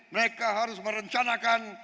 mereka harus merencanakan